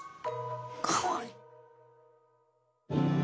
かわいい。